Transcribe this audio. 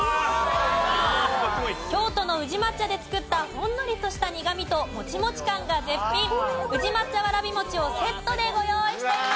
京都の宇治抹茶で作ったほんのりとした苦みともちもち感が絶品宇治抹茶わらび餅をセットでご用意しています。